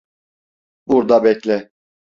Burda bekle.